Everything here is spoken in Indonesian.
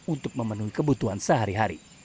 untuk memenuhi kebutuhan sehari hari